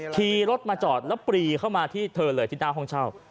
ขี่รถมาจอดแล้วปรีเข้ามาที่เธอเลยที่หน้าห้องเช่า